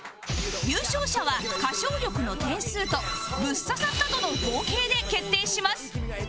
優勝者は歌唱力の点数とブッ刺さった度の合計で決定します